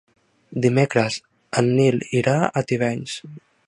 Dimecres en Nil irà a Tivenys.